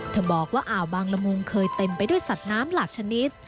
บอกว่าอ่าวบางละมุงเคยเต็มไปด้วยสัตว์น้ำหลากชนิด